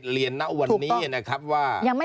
เรียนณะวันนี้นะครับว่า